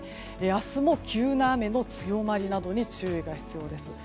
明日も急な雨の強まりなどに注意が必要です。